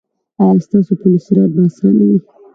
ایا ستاسو پل صراط به اسانه وي؟